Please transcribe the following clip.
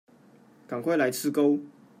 趕快來吃鉤